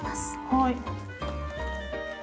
はい。